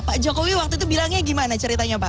pak jokowi waktu itu bilangnya gimana ceritanya pak